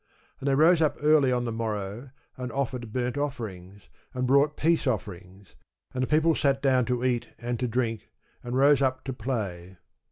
And they rose up early on the morrow, and offered burnt offerings, and brought peace offerings; and the people sat down to eat and to drink, and rose up to play.